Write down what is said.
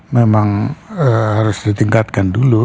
memang harus ditingkatkan dulu